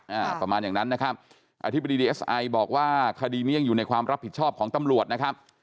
ประมาณอย่างนั้นนะครับอธิบดีดีเอสไอบอกว่าคดีนี้ยังอยู่ในความรับผิดชอบของตำรวจนะครับ